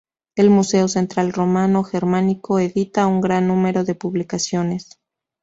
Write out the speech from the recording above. El Museo Central Romano-Germánico edita un gran número de publicaciones.